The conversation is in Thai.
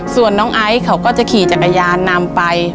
ส่วนน้องไอซ์เขาก็จะขี่จักรยานนำไป